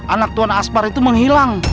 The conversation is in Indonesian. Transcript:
anak tuhan asmar itu menghilang